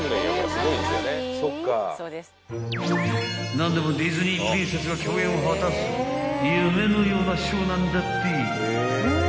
［何でもディズニープリンセスが共演を果たす夢のようなショーなんだって］